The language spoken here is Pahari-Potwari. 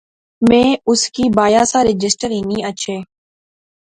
میں اُُس کی بایا سا رجسٹر ہنی اچھے